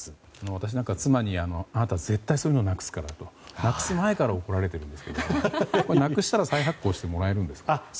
私は、妻にあなた、絶対そういうのなくすからとなくす前から怒られているんですけどなくしたら再発行してもらえるんですか？